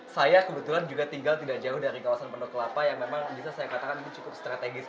saya kebetulan juga tinggal tidak jauh dari kawasan penuh kelapa yang memang bisa saya katakan ini cukup strategis